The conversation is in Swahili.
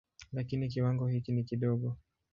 Lakini kiwango hiki ni kidogo.